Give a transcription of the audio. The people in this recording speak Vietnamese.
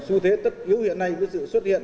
xu thế tất yếu hiện nay với sự xuất hiện